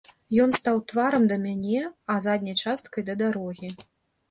Ён стаў тварам да мяне, а задняй часткай да дарогі.